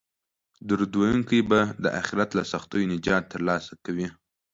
درود ویونکی به د اخرت له سختیو نجات ترلاسه کوي